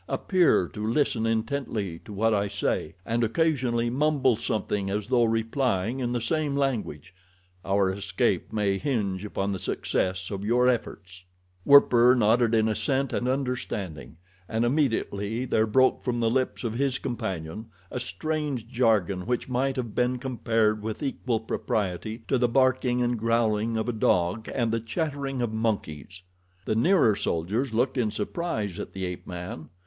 Appear to listen intently to what I say, and occasionally mumble something as though replying in the same language—our escape may hinge upon the success of your efforts." Werper nodded in assent and understanding, and immediately there broke from the lips of his companion a strange jargon which might have been compared with equal propriety to the barking and growling of a dog and the chattering of monkeys. The nearer soldiers looked in surprise at the ape man.